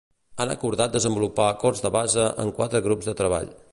Han acordat desenvolupar acords de base en quatre grups de treball.